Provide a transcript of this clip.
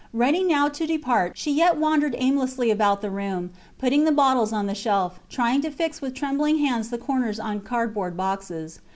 Ready now to depart, she yet wandered aimlessly about the room, putting the bottles on the shelf, trying to fit with trembling hands the covers on cardboard boxes.